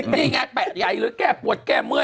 นี่ไงแปะใหญ่หรือแก้ปวดแก้เมื่อย